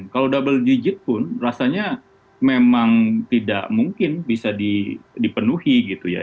kalau double digit pun rasanya memang tidak mungkin bisa dipenuhi gitu ya